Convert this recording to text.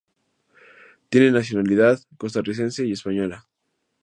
Tiene nacionalidad costarricense y española.